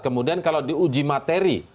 kemudian kalau diuji materi